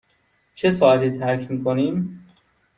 چه ساعتی ترک می کنیم؟